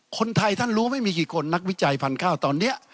คนไทยท่านรู้ไม่มีกี่คนนักวิจัยพันธุ์ข้าวตอนนี้